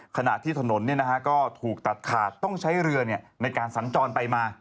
ขณะที่ถนนก็ถูกตัดขาดต้องใช้เรือในการสัญจรไปมา